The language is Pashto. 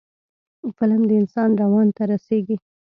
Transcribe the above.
فلم د انسان روان ته رسیږي